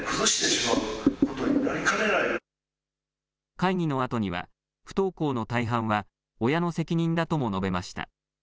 会議のあとには不登校の大半は親の責任だとも述べました。